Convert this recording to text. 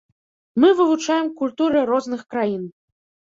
Мы вывучаем культуры розных краін.